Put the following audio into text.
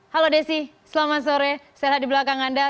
halo desi selamat sore saya ada di belakang anda